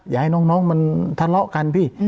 อยากให้น้องมันทะเลาะกันพี่